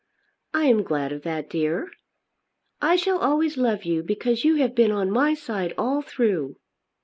"I am glad of that, dear." "I shall always love you, because you have been on my side all through."